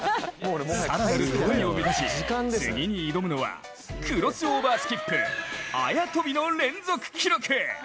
更なる高みを目指し次に挑むのは、クロスオーバースキップ、あや跳びの連続記録。